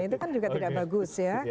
itu kan juga tidak bagus ya